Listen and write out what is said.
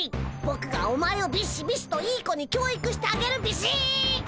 ぼくがお前をビシビシといい子に教育してあげるビシッ！